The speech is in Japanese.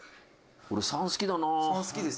「俺３好きだな」